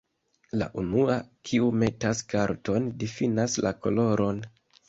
La unua, kiu metas karton difinas la koloron.